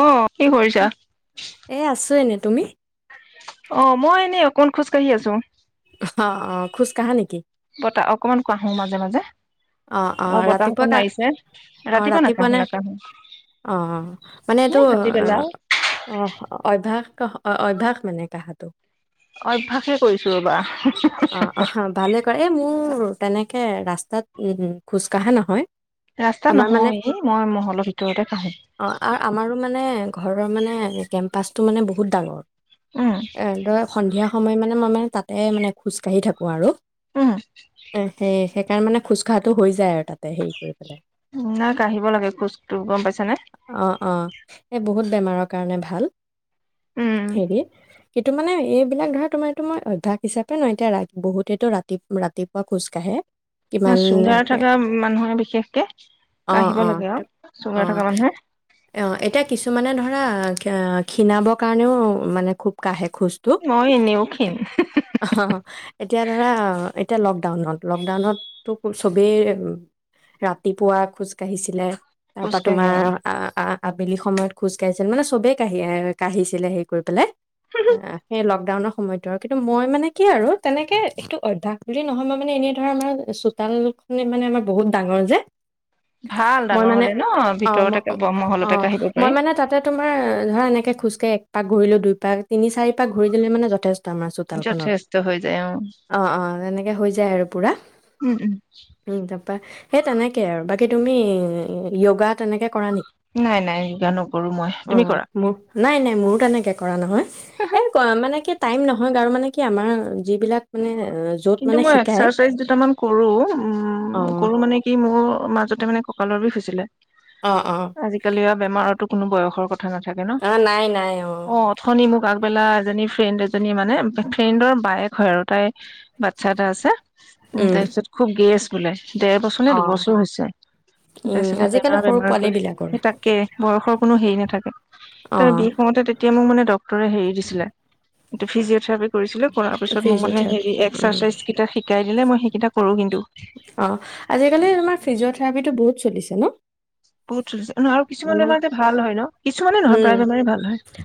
অ কি কৰিছা? এ আছো এনে তুমি? অ মই এনে অকণ খোজ কঢ়ি আছো। অ অ খোজ কঢ়া নেকি পতা অকমান কোৱ আহো মাজে মাজে। অ অ বতাহ ৰাতিপুৱা অকণ কা মাৰিছে অ ৰাতিপুৱা নাকাঢ়ো নাই নাকাঢ়ো অ অ মানে এ এইটো ভাটিবেলা অ অভ্যাস অ অভ্যাস মানে কঢ়াটো অ অভ্যাসে কৰিছো ৰবা অ অ ভালে কৰে এই মোৰ তেনেকে ৰাস্তাত উম উম খোজ কঢ়া নহয়। ৰাস্তাত আমাৰ মানে নহয় মই মহলৰ ভিতৰতে কাঢ়োঁ। অ আ- আমাৰো মানে ঘৰৰ মানে কেম্পাচটো মানে বহুত ডাঙৰ। উম এ তই সন্ধিয়া সময় মানে মই মানে তাতে মানে খোজকাঢ়ি থাকোঁ আৰু উম দে সেই সেইকাৰণে মানে খোজ কঢ়াটো হৈ যায মানে আৰু তাতে হেৰি কৰি পেলাই নাই কাঢ়িব লাগে খোজো গম পাইছ নে অ অ এই বহুত বেমাৰৰ কাৰণে ভাল হেৰি সেইটো মানে এইবিলাক ধৰা তোমাৰো মই অভ্যাস হিচাপে ন এতিয়া বহুতেতো ৰাতি ৰাতিপুৱা খোজ কাঢ়ে ন চুগাৰ থকা মানুহে বিশেষকে অ কাঢ়িব অ লাগে সেইটো আৰু চুগাৰ থকা মানুহে কি মানে ধৰা খিণাবৰ কাৰণেও মানে খুব কাহে খোজ মই এনেও ক্ষীণ এতিয়া ধৰা আ এতিয়া লকডাউনত লকডাউনত তোক চবেই ৰাতিপুৱা খোজ কাঢ়িছিলে তাৰ পৰাা খোজকাঢ়ে তোমাৰ আৰু আহ আবেলি সময়ত খোজ কঢ়িছিল মানে চবেই কাঢ়ি কাঢ়িছিলে হেৰি কৰি পেলাই সেই লকডাউনৰ সময়তো আৰু কিন্তু মই মানে কি আৰু তেনেকে একটো অভ্যাস বুলি নহয় মই মানে এনেই ধৰা চোতাল খনে মানে আমাৰ বহুত ডাঙৰ যে ভাল মই ডাঙৰ মানে হলে ন অ ম ভিতৰতে অ মহলতে কাঢ়িব মই পাৰি মানে তাতে তোমাৰ ধৰা এনেকে খোজ ত এক পাক ঘূৰিলে দুই পাক তিনি চাৰি পাক ঘূৰি দিলে মানে যথেষ্ট আমাৰ চোতালখনত যথেষ্ট হৈ যায় অ অঁ অঁ তেনেকৈ হৈ যায় আৰু পূৰা উম উম সেই তেনেকে আৰু বাকী তুমি যোগা তেনেকে কৰা নেকি নাই নাই যোগা নকৰো মই অ তুমি কৰা মোৰ নাই নাই মোৰো তেনেকৈ কৰা নহয় এইবোৰ কৰা মানে কি টাইম নহয় বাৰু মানে কি আমাৰ যিবিলাক মানে অ, য'ত কিন্তু মানে মই শিকায় এক্সাৰচাইজ দুটামান কৰো উম অ', কৰো মানে কি মোৰ মাজতে মানে কঁকালৰ বিষ আছিলে অ', অ', আজিকালি বেমাৰতো কোনো বয়সৰ কথা না থাকে ন অ', নাই নাই অ অথনি মোক এজনী ফ্ৰেণ্ড এজনী মানে ফ্ৰেণ্ডৰ বায়েক হয় আৰু তাই বাচ্ছা এটা আছে উম তাৰপিছত খুব গেছ গুল [unintelligible] ডেৰ বছৰ নে অ'। দুবছৰ হৈছে উম, তাৰপিছতে আজিকালি বেমাৰ সৰু পোৱালী বেমাৰকৈ বিলাকৰ সেই তাকে বয়সৰ কোনো হেৰি নাথাকে তাৰ অ', বিষ হওতে তেতিয়া মোক মানে ডক্টৰে হেৰি দিছিলে ফিজিঅ থেৰাপি কৰিছিলে কৰাৰ পিছত মোৰ মানে ফিজিঅথেৰাপি হেৰি এক উম, এক্সাৰচাইজ কেইটা শিকাই দিনে মই সেইকেইটা কৰো কিন্তু অ আজিকালি তোমাৰ ফ্ৰিজিঅ থ্ৰেৰাপিতো বহুত চলিছে ন বহুত চলিছে ন কিছুমান মানে বেমাৰ যে ভাল হয় ন কিছুমান নহয় উম, প্ৰায় বেমাৰ ভাল হয়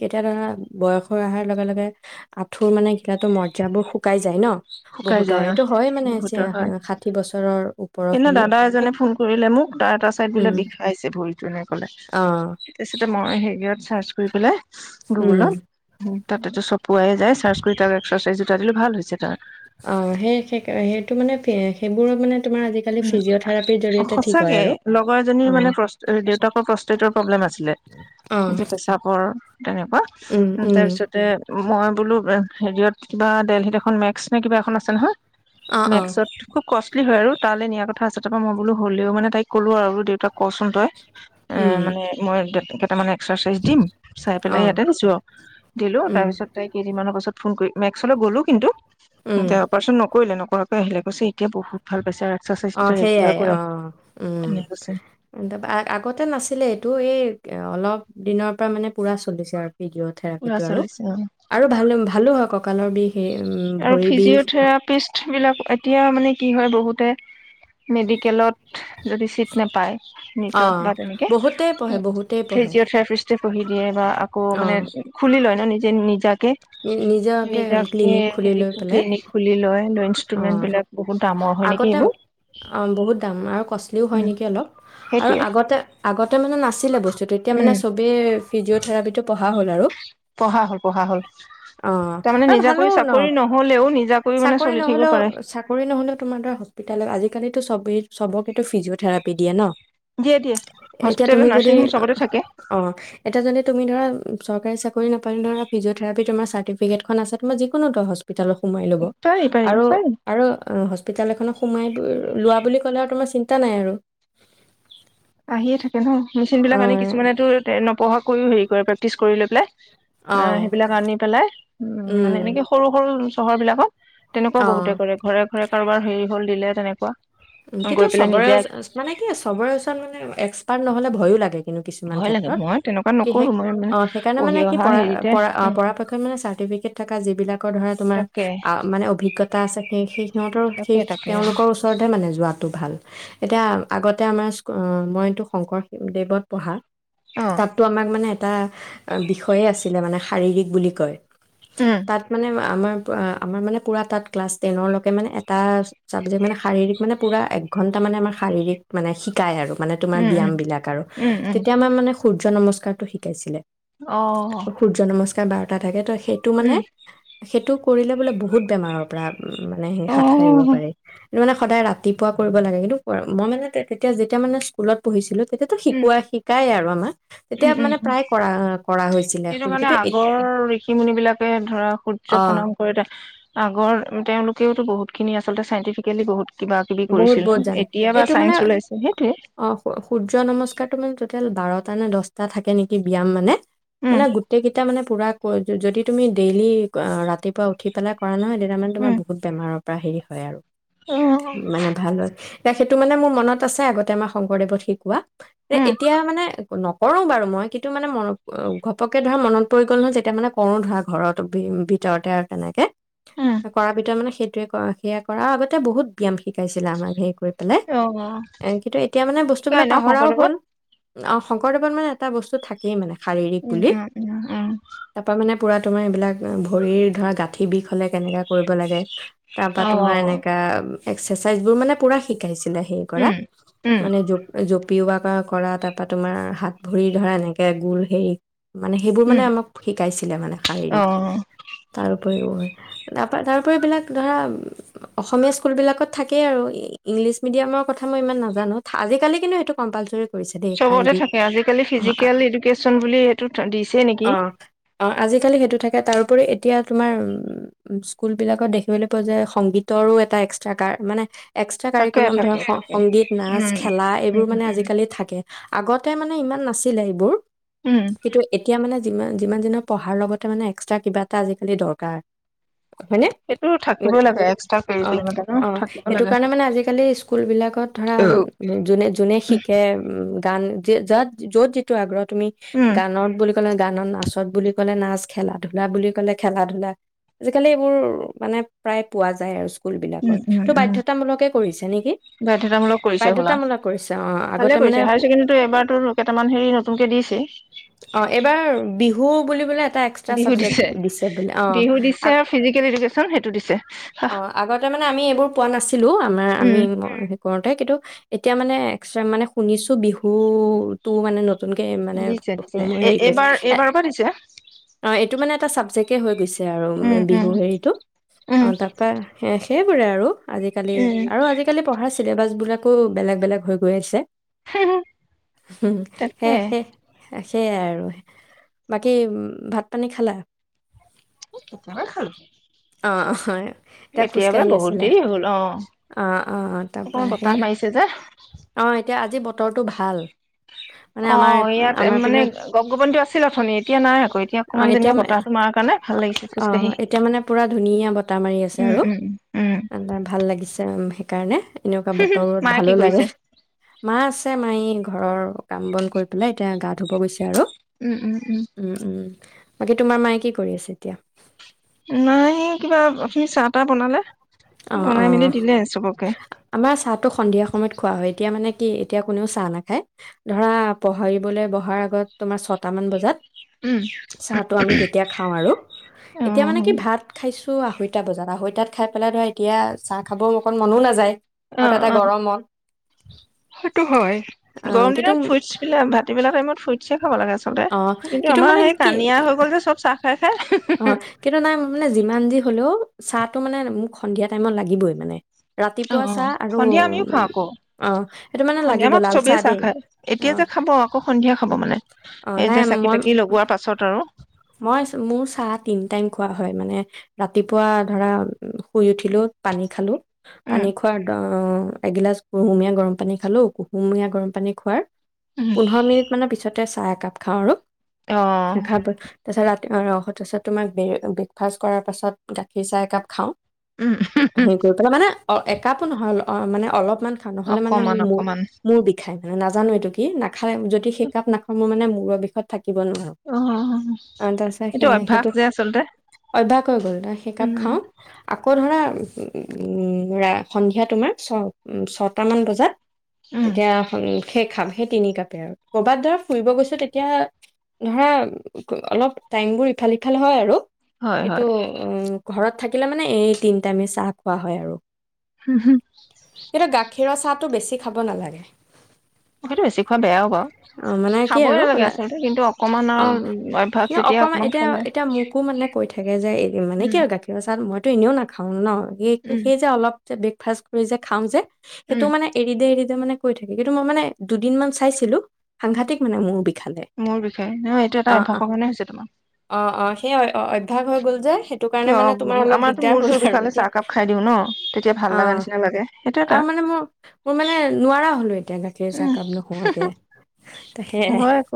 কেতিয়াবা ধৰা বয়স হৈ অহাৰ লগে লগে আঁঠুৰ মানে ঘীলাটো মজাবোৰ শুকাই যায় ন শুকাই বহুতৰ যায় এইটো হয় মানে আৰু বহুতৰ হয় ষাঠি বছৰৰ ওপৰৰ সিদিনা খিনি দাদা এজনে ফোন কৰিলে মোক তাৰ এটা চাইদ বোলে উম, বিষাইছে ভৰিটো এনেকে কলে অ', মই হেৰিয়ত চাৰ্চ কৰি পেলাই উম। গুগলত তাতে চপুৱাই যায় চাৰ্চ কৰি তাৰ এক্সাৰচাইজ দুটা দিলে ভাল হৈছে তাৰ অ সেই সেই সেইটো মানে সেইবোৰ মানে তোমাৰ আজিকালি ফিজিঅ'থেৰাপিৰ উ জৰিয়তে ঠিক হয় সচাকে আৰু লগৰ এজনীৰ অ মানে প্ৰ দেউতাকৰ প্ৰস্তেটৰ প্ৰব্লেম আছিলে অ পেচাবৰ তেনেকুৱা উম উম তাৰ পিছতে মই বোলো হেৰিয়ত কিবা দেলহিত এখন মেক্স নে কিবা এখন আছে নহয় অ অ মেকছত খুব কষ্ট হয় আৰু তালৈ নিয়া কথা আছে টাপা মই বোলো হলেও মানে তাই কলো আৰু দেউতাক কচোন তই এ উম মানে মই তাৰ মানে এক্সাৰচাইজ দিম চাই অ পেলাই ইয়াতে গুছো দিলো তাৰ উম পিছত তাই কেইদিনমানৰ পাছত ফোন কৰি মেক্সলৈ গ'লো কিন্তু উম এতিয়া অপাৰ্চন নকৰিলে ন? পকৈ আহিলে কৈছে এতিয়া বহুত ভাল পছাৰ অ সেইয়াই অ উম তেনেকে কৈছে আগতে নাছিলে এইটো এই অলপ দিনৰ পৰা মানে পোৰা চলিছে আৰু থেৰাপি পুৰা টো চলিছে আৰু, ভাল ভালো হয় ক আৰু ফিজিঅথেৰাপিষ্ট বিলাক এতিয়া মানে কি হয় বহুতে মেডিকেলত যদি ছিট নাপায় অ নটত বা তেনেকে বহুতেই পঢ়ে বহুতেই পঢ়ে ফিজিঅ থেৰাপিষ্টে পঢ়ি দিয়ে বা আকৌ মানে খুলি লয় ন যে নিজাক নিজেকে হেৰি ক্লিনিক খুলি লয়। অ ইনষ্টোমেন্ত বিলাক বহুত দামৰ হয় নেকি আগতে এইবোৰ অ, বহুত দাম আৰু কষ্টলিও হয় উম নেকি অলপ আৰু সেইটোয়ে আগতে আগতে মানে নাছিলে বস্তু ত' তেতিয়া মানে উম চবেই ফিজঅ'থেৰাপিটো পঢ়া হ'ল পঢ়া হ'ল। অ তাৰমানে আৰু ভালো নিজাকৈ ন চাকৰি নহ'লেও নিজাকৈ মানে চত চাকৰি নহ'লেও চাকৰি নহ'লেও তোমাৰ দ্বাৰা হস্পিতালয় আজিকালিটো চবেই। চবকেটো ফিজিঅ'থেৰাপি দিয়ে ন। দিয়ে দিয়ে এতিয়া হস্পিতেল তুমি যদি নাৰ্ছিং হোম চবতে থাকে অ এতিয়া যদি তুমি ধৰা চৰকাৰী চাকৰি নাপালে ধৰা ফিজিঅথেৰাপি তোমাৰ চাৰ্টিফিকেটখন আছে তুমি যিকোনোটো হস্প হস্পিতালত সোমাই ল'ব। পাৰি পাৰি আৰু পাৰি আৰু অ হস্প বিদ্যালয় এখনত সোমাই গৈ লোৱা বুলি ক'লে আৰু তোমাৰ চিন্তা নাই আৰু। [inaudible] আহিয়ে থাকে ন মেচিন বিলাক অ আনি কিছুমানেটো নপঢ়া কৰিও হেৰি প্ৰেক্টিছ কৰি লৈ পেলাই। অ সেইবিলাক আনি পেলাই উম মানে এনেকে সৰু সৰু চহৰবিলাকক তেনেকুৱা অ', বহুতে কৰে ঘৰে ঘৰে কাৰোবাৰ হেৰি হল দিলে তেনেক। কোৱা। কিন্তু চবৰে ওচৰ মানে কি চবৰে ওচৰত মানে এক্সপাৰ্ট নহ'লে ভয়ো লাগে। কিন্তু কিছুমান ভয় লাগে ক্ষেত্ৰত মই তেনেকুৱা কি সে নকৰো মই মানে অ সেইকাৰণে মানে পঢ়ি কি অহা পৰা হেৰিতে পৰা অ উম পৰাপক্ষত মানে চাৰ্টিফিকেট থকা যিবিলাকৰ ধৰা তোমাৰ তাকে আ মানে অভিজ্ঞতা আছে সেই সিহঁতৰ তাকে শেষ তাকে তেওঁলোকৰ ওচৰত যোৱাটো ভাল এতিয়া আগতে আমাৰ স্কু অ মইটো শংকৰদেৱত পঢ়া অ তাতটো আমাক মানে। এটা বিষয়ে আছিলে মানে শাৰীৰিক বুলি কয়। উম তাত মানে আমাক আমাৰ অ আমাৰ মানে পুৰা তাত ক্লাছ টেনৰলেকে মানে এটা চাবজেক্ট মানে শাৰীৰিক। মানে পুৰা এক ঘণ্টা মানে আমাক শাৰীৰিক মানে শিকায় আৰু। মানে তোমাৰ উম ব্যায়াম উম বিলাক আৰু উম উম তেতিয়া আমাৰ মানে। সূৰ্য্য নমস্কাৰটো শিকাইছিলে। অ। তাত বাৰটা থাকে তই সেইটো মানে উম সেইটো। কৰিলে বোলে বহুত বেমাৰৰ পৰা উম মানে সি অ হাত সাৰিব উম পাৰে। ই মানে সদায় ৰাত। ৰাতিপুৱা কৰিব লাগে কিন্তু প মই মানে তেতিয়া যেতিয়া মানে স্কুলত পঢ়িছিলোঁ। তেতিয়াটো শিকোৱা শিকাই আৰু আমাক। তেতিয়া উম উম মানে উম প্ৰায় কৰা কৰা হৈছিলে সেইটো কাৰণে কিন্তু এ আগৰ ঋষি মুুনি বিলাকে ধৰা সূৰ্য অ প্ৰণাম কৰি আগৰ তেওঁলোকেওতো বহুতখিনি আচলতে চাইন্টিফিকেলি বহুত কিবা কিবি বহুত কৰিছিল বহুত ন জানে এতিয়া বা এইটো মানে চাইন্স ওলাইছে সেইটোৱে অ সূৰ্য নমস্কাৰটো মানে টেল বাৰটা নে দহটা থাকে নেকি ব্যায়াম মানে মানে গোটেই কেইটা মানে পুৰা যদি তুমি ডেইলি ৰাতিপুৱা উঠি পেলাই কৰা নহয় দটামান তোমাৰ উম বহুত বোৰৰ পৰা হেৰি হয় আৰু উম মানে ভালত এ সেইটো মানে মোৰ মনত আছে আগতে আমাৰ শংকৰদেৱত শিকোৱা উম এতিয়া মানে নকৰোঁ বাৰু মই কিন্তু মানে মন ঘপকে ধৰা মনত পৰি গ'ল নহয় যেতিয়া মানে কৰোঁ ধৰা ঘৰত ভিতৰতে আৰু তেনেকে কৰা ভিতৰত মানে সেইটোৱে কৰ সেয়া কৰাৰ আগতে বহুত ব্যাম শিকাইছিলে আমাক হেৰি কৰি বে উম এ কিন্তু এতিয়া মানে শিকাই বস্তুবিলাক ন পাহৰাও শংকৰদেৱত হ'ল অ শংকৰদেৱত মানে এটা বস্তু থাকেই মানে শাৰীৰিক উম বুলি উম উম উম তাৰ পৰা মানে পুৰা তোমাৰ এইবিলাক ভৰিৰ ধৰা গাঁঠি বিষ হলে কেনেকা কৰিব লাগে তাৰ পৰাা অ তোমাৰ এনেকাা এক্সাৰচাইজ বোৰ মানে পুৰা শিকাইছে স কৰা উম উম মানে পিওৱা কৰা তাৰপৰা তোমাৰ হাত ভৰি ধৰা এনেকৈ গোুৰ হেৰি মানে সেইবোৰ মানে উম আমাক শিকাইছিলে মানে অ শাৰীৰিক তাৰ তাৰাক ধ অসম স্কুলবিলাকত থাকেই আৰু ইংলিছ মিডিয়ামৰ কথা মই ইমান নাজানো আজিকালি কিন্তু সেইটো কম্পালচৰি কৰিছে দেই চবতে থাকে শাৰীৰিক আজিকালি ফিজিকেল এডুকেশ্যন বুলি সেইটো দিছে নেকি অঁ আজিকালি সেইটো থাকে তাৰোপৰি এতিয়া তোমাৰ স্কুলবিলাকত দেখিবলৈ পোৱা যায় সংগীতৰো এটা এক্স কাৰ মানে এক্সট্ৰা থাকে কাৰিকুলাম থাকে ধৰক থাকে সংগীত নাচ উম খেলা উম এইবোৰ মানে উম আজিকালি থাকে আগতে মানে ইমান নাছিলে এইবোৰ উম কিন্তু এতিয়া মানে যিমান যিমান দিনৰ পঢ়াৰ লগতে মানে এক্সট্ৰা কিবা এটা আজিকালি দৰকাৰ হয়নে? সেইটো থাকিবই লাগে অ এক্সট্ৰা ম ন অ থাকিব সেইটো লাগে কাৰণে মানে আজিকালি স্কুল বিলাকত ধৰা উম যোনে যোনে শিকে উ গান যাত য'ত যিটো আগ্ৰহত তুমি গানত বুলি লে গানত নাচত বুলি ক'লে নাচ খেলা ধূলা বুলি কলে খেলা ধূলা আজিকালি এইবোৰ মানে প্ৰায় পোৱা যায় আৰু উম স্কুলবিলাকত উম তটো উম বাধ্যয়তামূলকে কৰিছে নেকি বাধ্যতামূলক কৰিছে হ'লা বাধ্য়তামূলক কৰিছে অ ভালে আগতে মানে কৰিছে হায়াৰ ছেকেণ্ডেৰীটো এবাৰতো কেইটামান হেৰি নতুনকে দিছে অ এইবাৰ বিহু অঁ বুলি বিহু দিছে বিহু অ দিছে ফিজিকেল এডুকেশচন সেইটো দিছে অ', আগতে আমি এইবোৰ পোৱা নাছিলো আমাৰ আমি উম কৰোতে কিন্তু এতিয়া মানে এক মানে শুনিছো বিহুতটো মানে নতুনক মানে দিছে দিছে এ হে এইবাৰ এইবাৰৰ পৰা দিছে অঁ এইটো মানে এটা চাবজেক্ হৈ গৈছে আৰু উম উম বিহু হেৰিতটো উম অঁ তাৰপা সেইবোৰে আৰু আজিকালি আৰু আজিকালি পঢ়া চিছিলে বাছবিলাকো বেলেগ বেলেগ হৈ গৈ আছে হুম তাকে সেইয়াই আৰু বাকী উ ভাত পানী খালা দুবাৰ খালো অঁ' হয় এতিয়া আছিল অঁ অঁ তাৰ অকমান পৰা বতাহ সেই মাৰিছে যে অঁ এতিয়া আজি বতৰটো ভাল মানে আমাৰ অঁ ইয়াত আমাৰ মানে পিনৰ গপ গপনিটো আছিল অথনি এতিয়া নাই আকৌ এতিয়া অ অকমান এতিয়া যেনিবা বতাহটো মাৰ কাৰণে ভাল লাগিছে অ খোজকাাঢ়ি এতিয়া মানে উম উম উ আৰ ভাল লাগিছে সেইকাৰণে এনেকুৱা বতৰত মায়ে কি ভালো কৰিছে? লাগে মা আছে মায় ঘৰৰ কাম বন কৰি পেলাই এতিয়া গা ধুব গৈছে আৰু উম উম উম বাকী তোমাৰ মায়ে কি কৰি আছে এতিয়া নাইি কিবা আপুনি চাহ তাহ বনালে অঁ বনাই মেলি অঁ দিলে চবকে। আমাৰ চাহটো সন্ধিয়া সময়ত খোৱা হয় এতিয়া মানে কি এতিয়া কোনেও চাহ নাখায় ধৰা পাহৰিবলৈ বহাৰ আগত তোমাৰ ছটামান বজাত উম চাহটো আমি তেতিয়া খাওঁ আৰু অ এতিয়া মানে কি ভাত খাইছো টো আঢ়ৈটা বজাত, আঢ়ৈতাত খাই পেলাই ধৰা এত এতিয়া, চাহ খাব অকণ মনো নাযায়। আৰু অঁ' তাতে অঁ', গৰমত সেইটো হয়, অ' গৰম কিন্তু দিনত ফ্ৰুইটচ বিলা-ভাটীবেলা টাইমত ফ্ৰুইট খাব লাগে আচলতে, অ' কিন্তু আমাৰ মানে সেই কানিয়া হৈ গ'ল যে চব চাহ খাই খাই। অঁ', কিন্তু নাই মানে, যিমান যি হ'লেও চাহটো মানে, মোক সন্ধিয়া টাইমত লাগিবই মানে। অ' ৰাতিপুৱা চাহ অ', আৰু সন্ধিয়া আমিও খাওঁ উম, আকৌ, অ' সেইটো মানে সন্ধিয়া লাগিব আমাক লাল চবেই চাহ দেই। খায়। এতিয়া অ' যে খাব, আকৌ সন্ধিয়া খাব উম, মানে, অ' এই নাই যে চাকি মই তাকি লগোৱাৰ পাছত আৰু। তিন টাইম খোৱা হয় মানে, ৰাতিপুৱা ধৰা, শুই উঠিলো পানী খালো। উম পানী খোৱাৰ দ এগিলাচ কুহুমীয়া গৰম পানী খালো, কুহুমীয়া গৰম পানী খোৱাৰ উম পোন্ধৰ মিনিট মানৰ পিছত তে চাহ একাপ খাওঁ আৰু। অ'। খাৰ প- তাৰপিছত ৰাতি [unintelligible] তাৰপাছত তোমাৰ, ব্ৰে ব্ৰেকফাষ্ট কৰাৰ পাছত গাখীৰ চাহ একাপ খাওঁ। উম, হু' হু'। হেৰি কৰি পেলাই মানে অ একাপো নহয়, অল অ মানে অলপ। ইমান খাওঁ, নহ'লে মানে অকমান মোৰ মূ অকমান মূৰ বিষাই নাজানো এইটো কি, নাক খাই, যদি সেই কাপ নাখাওঁ মই মানে মূ [unintelligible] বিষত থাক কিব নোৱাৰো, অ আন তাক চাই এইটো অভ্যাস যে আচলতে। অভ্যাস হৈ গ'ল, তাৰ সেই উম কাপ উম খাওঁ, আকৌ হ'ব ধৰা, উম, ৰা-সন্ধিয়া তোমাৰ ছ-উম ছটামান বজাত উম তেতিয়া [unintelligible] সে খাম সেই তিনি কাপে আৰু, ক'ৰবাত ধৰা ফুৰিব গৈছো তেতিয়া, ধৰা উম, অলপ টাইম বোৰ ই ইফাল-সিফাল হয় আৰু। হয় এইটো, হয় উম ঘৰত থাকিলে মানে এই তিনি টাইমে চাহ খোৱা হয় আৰু। কিন্তু গাখীৰৰ চাহটো বেছি [unintelligible] খাব নালাগে। সেইটো বেছি খোৱা বেয়াও বাৰু অ', মানে কি খাবই আৰু নালাগে আচলতে কিন্তু অকমান অ', আৰু অভ্যাস যেতিয়া অকমান এতিয়া খালে এতিয়া মোকো মানে কৈ থাকে যে মানে কি উম আৰু গাখীৰৰ চাহ মই তু এনেও নাখাওঁ ন আৰু স উম সেই যে অলপ যেতিয়া ব্ৰেকফাষ্ট কৰি যে খাওঁ যে সেইটো উম মানে এৰি দ এৰি মানে কৈ থাকে কিন্তু মই মানে দুদিনমান চাইছিলো সাংঘাতিক মানে মোৰ মোৰ বিষয়ে নহ এইটো এটা অভ্যাসৰ কাৰণে হৈছে তোমাৰ অ অ সেই অভ্যাস হৈ গ'ল যে সেইটো কাৰণে কিয় মানে তোমাৰ উম, অলপ আমাৰতো দিগদাৰ মূৰ হল চুৰ আৰু বিষালে এতিয়া চাহকাপ খাই দিওঁ ন তেতিয়া ভাল লগা আহ নিচিনা লাগে সেইটো এটা আৰু মানে মোৰ মোৰ মানে নোৱাৰা হলো এতিয়া তাকে চাহ উম কাপ নোখোৱাকে তাকে হয় আকৌ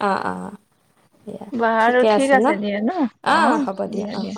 অ অ বাৰু ঠিক আছে দিয়া ন অ হ'ব দিয়া অ অ দিয়া